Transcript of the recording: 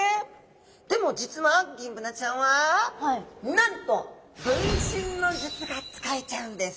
でも実はギンブナちゃんはなんと分身の術が使えちゃうんです。